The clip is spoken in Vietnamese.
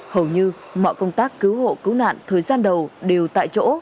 hầu như mọi công tác cứu hộ cứu nạn thời gian đầu đều tại chỗ